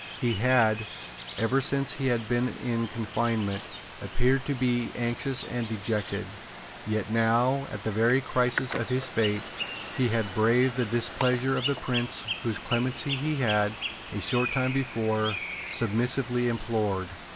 He had, ever since he had been in confinement, appeared to be anxious and dejected; yet now, at the very crisis of his fate, he had braved the displeasure of the Prince whose clemency he had, a short time before, submissively implored.